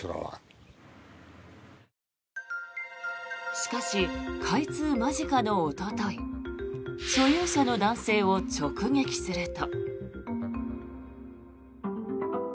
しかし、開通間近のおととい所有者の男性を直撃すると。